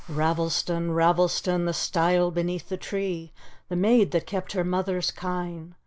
" Ravelston, Ravelston, The stile beneath the tree, The maid that kept her mother's kine.